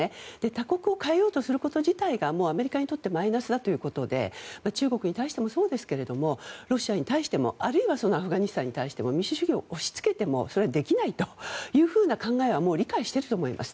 他国を変えようとすること自体がアメリカにとってマイナスだということで中国にとってもそうですしあるいはアフガニスタンに対しても民主主義を押しつけてもできないという考えは理解していると思います。